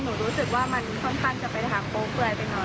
รู้สึกว่ามันค่อนข้างจะเป็นทางโป๊เปื่อยไปหน่อย